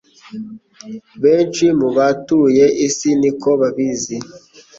benshi mu batuye isi niko babizi